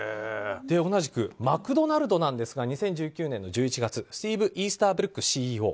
同じくマクドナルドですが２０１９年の１１月スティーブ・イースターブルックＣＥＯ。